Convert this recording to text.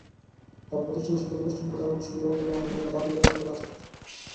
তাঁর প্রতিষ্ঠিত শিক্ষাপ্রতিষ্ঠানগুলো এখনো সুবিধাবঞ্চিত মানুষের জন্য বাতিঘরের মতো কাজ করছে।